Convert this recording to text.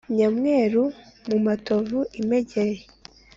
nyamweru mu matovu-imegeri.